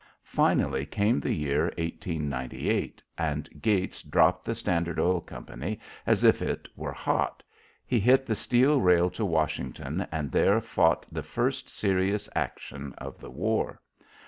Finally came the year 1898, and Gates dropped the Standard Oil Company as if it were hot. He hit the steel trail to Washington and there fought the first serious action of the war.